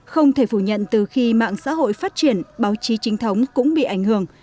không thể phủ nhận từ khi mạng xã hội phát triển báo chí trinh thống cũng bị ảnh hưởng